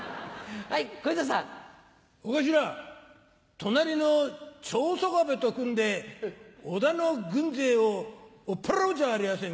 隣の長宗我部と組んで織田の軍勢を追っ払おうじゃありやせんか。